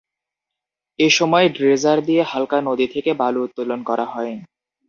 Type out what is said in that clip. এ সময় ড্রেজার দিয়ে হালদা নদী থেকে বালু উত্তোলন করা হয়।